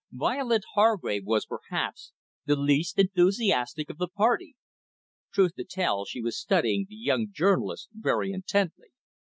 Violet Hargrave was, perhaps, the least enthusiastic of the party. Truth to tell, she was studying the young journalist very intently.